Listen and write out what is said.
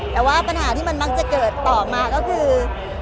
แต่ว่าปัญหาที่มันมักจะเกิดต่อมาก็คือ